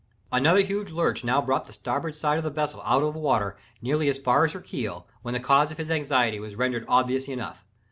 Another huge lurch now brought the starboard side of the vessel out of water nearly as far as her keel, when the cause of his anxiety was rendered obvious enough.